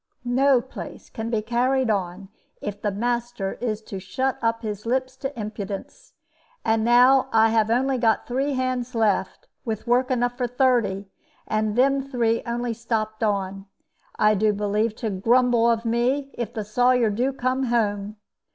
No place can be carried on if the master is to shut up his lips to impudence. And now I have only got three hands left, with work enough for thirty, and them three only stopped on, I do believe, to grumble of me if the Sawyer do come home!